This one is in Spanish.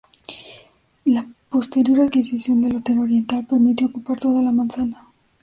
La posterior adquisición del Hotel Oriental, permitió ocupar toda la manzana.